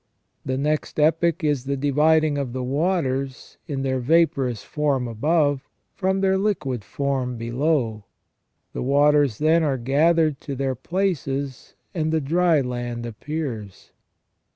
The next epoch is the dividing of the waters in their vaporous form above from their liquid form below ; the waters then are gathered to their places and the dry land appears.